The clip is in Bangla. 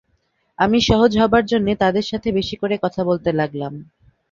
আমি সহজ হবার জন্যে তাদের সাথে বেশি করে কথা বলতে লাগলাম।